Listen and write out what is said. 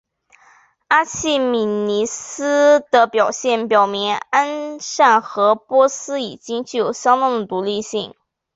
阿契美尼斯的表现表明安善和波斯已经具有相当的独立性。